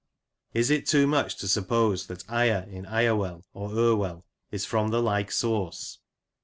Is it too much to suppose that Ire in Irewell, or Irwell, is from the like source?